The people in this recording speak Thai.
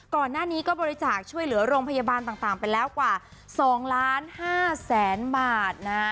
ก่อนหน้านี้ก็บริจาคช่วยเหลือโรงพยาบาลต่างไปแล้วกว่า๒ล้าน๕แสนบาทนะ